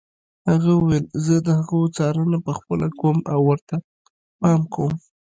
هغه وویل زه د هغو څارنه پخپله کوم او ورته پام کوم.